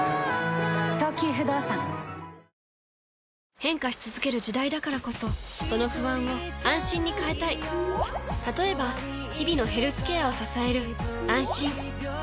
変化し続ける時代だからこそその不安を「あんしん」に変えたい例えば日々のヘルスケアを支える「あんしん」